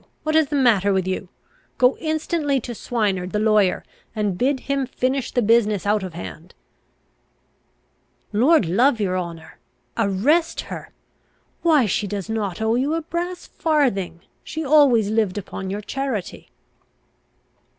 What is the matter with you? Go instantly to Swineard, the lawyer, and bid him finish the business out of hand!" "Lord love your honour! Arrest her! Why she does not owe you a brass farthing: she always lived upon your charity!"